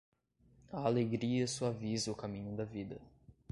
A alegria suaviza o caminho da vida.